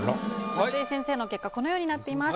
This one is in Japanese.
夏井先生の結果このようになっています。